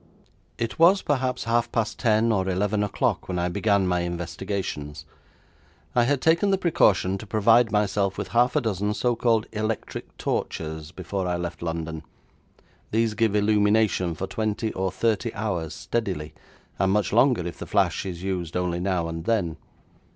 It was perhaps half past ten or eleven o'clock when I began my investigations. I had taken the precaution to provide myself with half a dozen so called electric torches before I left London. These give illumination for twenty or thirty hours steadily, and much longer if the flash is used only now and then.